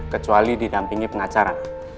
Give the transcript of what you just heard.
kecuali didampingi pengacara